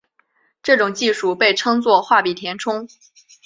这种技术被称作笔画填充。